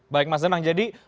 baik mas denang jadi